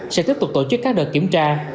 sẽ tiếp tục tổ chức các đợt kiểm tra